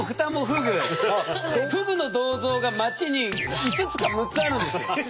ふぐの銅像が街に５つか６つあるんですよ。